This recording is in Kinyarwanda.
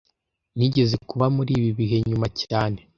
Nigeze kuba muri ibi bihe nyuma cyane